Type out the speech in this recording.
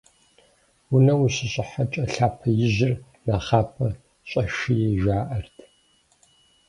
Унэм ущыщӏыхьэкӏэ лъапэ ижьыр нэхъапэ щӏэшие жаӏэрт.